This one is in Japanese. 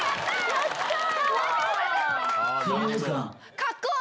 やったー！